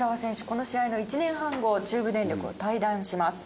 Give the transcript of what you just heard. この試合の１年半後中部電力を退団します。